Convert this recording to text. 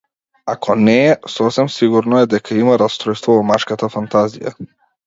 Ако не е, сосем сигурно е дека има растројство во машката фантазија.